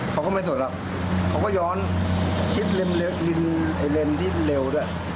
เขาก็ไม่สนหรอกเขาก็ย้อนคิดเลนที่เร็วด้วย